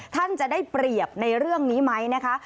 ท่านจะได้เปรียบในเรื่องนี้ไหมนะคะ